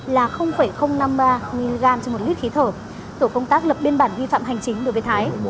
là năm mươi ba mg trên một lít khí thở tổ công tác lập biên bản vi phạm hành chính đối với thái